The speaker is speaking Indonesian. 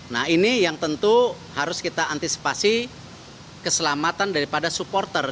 nah ini yang tentu harus kita antisipasi keselamatan daripada supporter